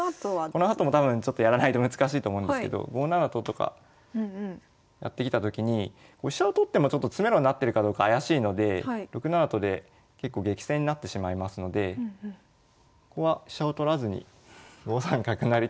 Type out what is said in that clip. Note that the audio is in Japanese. このあとも多分ちょっとやらないと難しいと思うんですけど５七と金とかやってきたときに飛車を取ってもちょっと詰めろになってるかどうか怪しいので６七と金で結構激戦になってしまいますのでここは飛車を取らずに５三角成と。